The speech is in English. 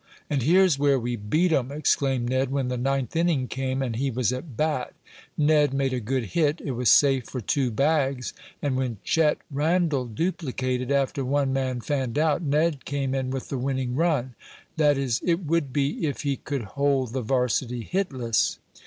"And here's where we beat 'em!" exclaimed Ned, when the ninth inning came, and he was at bat. Ned made a good hit. It was safe for two bags, and when Chet Randell duplicated, after one man fanned out, Ned came in with the winning run. That is, it would be if he could hold the varsity hitless.